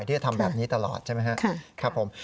ที่จะทำแบบนี้ตลอดใช่ไหมครับผม